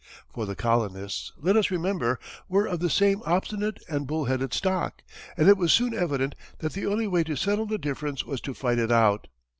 For the colonists, let us remember, were of the same obstinate and bull headed stock, and it was soon evident that the only way to settle the difference was to fight it out.